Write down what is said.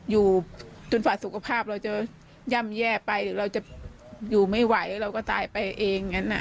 อยู่จนฝ่าสุขภาพเราจะย่ำแย่ไปหรือเราจะอยู่ไม่ไหวเราก็ตายไปเองอย่างนั้น